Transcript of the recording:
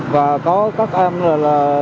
và có các em là